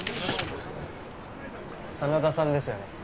真田さんですよね